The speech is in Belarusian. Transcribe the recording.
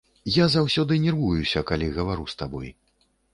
Я заўсёды нервуюся, калі гавару з табой.